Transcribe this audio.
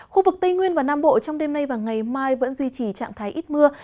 khu vực tây nguyên và nam bộ trong đêm nay và ngày mai vẫn duy trì trạng thái ít mưa